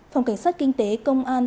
phòng cảnh sát kinh tế công an